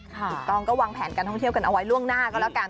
ถูกต้องก็วางแผนการท่องเที่ยวกันเอาไว้ล่วงหน้าก็แล้วกัน